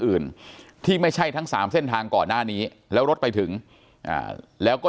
อื่นที่ไม่ใช่ทั้งสามเส้นทางก่อนหน้านี้แล้วรถไปถึงแล้วก็